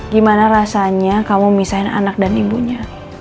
gimana rasanya kamu misahin anak dan ibunya